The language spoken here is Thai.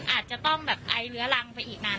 อาจจะต้องแบบไอเรื้อรังไปอีกนาน